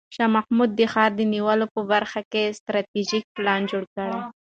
شاه محمود د ښار د نیولو په برخه کې ستراتیژیک پلان جوړ کړ.